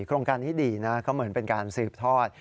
โครงการนี้ดีนะก็เหมือนเป็นการสืบทอด